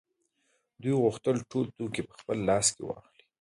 دوی غوښتل ټول تولید په خپل لاس کې واخلي